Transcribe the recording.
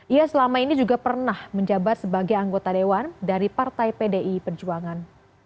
ia selama ini juga pernah menjabat sebagai anggota dewan dari partai pdi perjuangan